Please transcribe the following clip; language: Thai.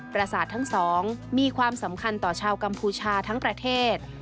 ประสาททั้งสองมีความสำคัญต่อชาวกัมพูชาทั้งประเทศ